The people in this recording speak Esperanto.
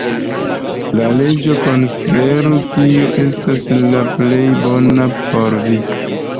La leĝo konsideru, kio estas la plej bona por vi.